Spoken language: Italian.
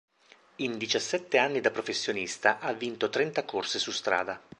In diciassette anni da professionista ha vinto trenta corse su strada.